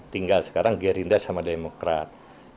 tinggal sekarang gerindra sama demokrat